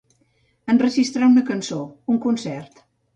Enregistrar una cançó, un concert.